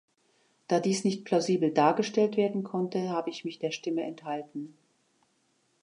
Da dies nicht plausibel dargestellt werden konnte, habe ich mich der Stimme enthalten.